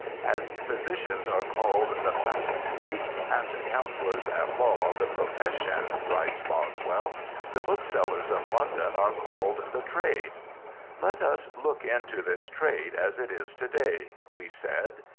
"As physicians are called 'The Faculty' and counsellors at law 'The Profession,'" writes Boswell, "the booksellers of London are called 'The Trade.'" Let us look into this Trade as it is to day, we said.